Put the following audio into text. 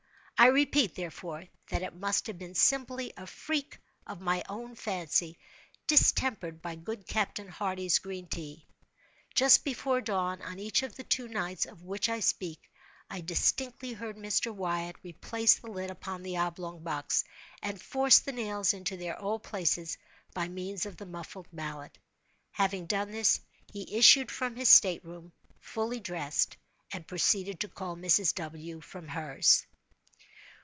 I repeat, therefore, that it must have been simply a freak of my own fancy, distempered by good Captain Hardy's green tea. Just before dawn, on each of the two nights of which I speak, I distinctly heard Mr. Wyatt replace the lid upon the oblong box, and force the nails into their old places by means of the muffled mallet. Having done this, he issued from his state room, fully dressed, and proceeded to call Mrs. W. from hers.